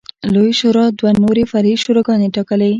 لویې شورا دوه نورې فرعي شوراګانې ټاکلې.